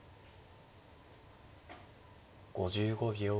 ５５秒。